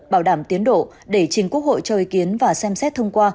bảo đảm tiến độ để chính quốc hội cho ý kiến và xem xét thông qua